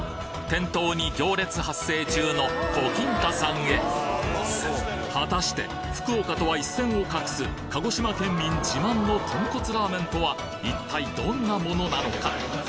店頭に行列発生中の小金太さんへ果たして福岡とは一線を画す鹿児島県民自慢のとんこつラーメンとは一体どんなものなのか？